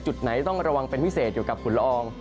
จุดไหนต้องระวังเป็นพิเศษเกี่ยวกับฝุ่นละออง